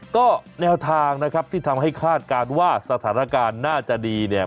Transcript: ก็แนวทางนะครับที่ทำให้คาดการณ์ว่าสถานการณ์น่าจะดีเนี่ย